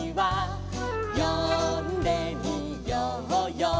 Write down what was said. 「よんでみようよ